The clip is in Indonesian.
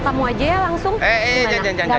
kamu aja ya langsung eh eh jangan jangan